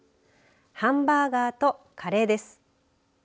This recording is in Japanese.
ハンバーガーとカレーです。